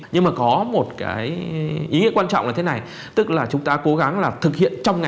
nhưng mà có một cái ý nghĩa quan trọng là thế này tức là chúng ta cố gắng là thực hiện trong ngày hai mươi ba